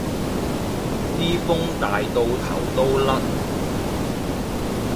啲風大到頭都甩